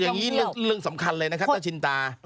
อย่างนี้เรื่องสำคัญเลยนะครับถ้าชินตา